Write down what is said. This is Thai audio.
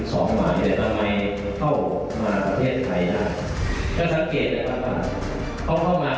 สองหมายเนี่ยทำไมเข้ามาประเทศไทยได้ก็สังเกตนะครับว่าเขาเข้ามา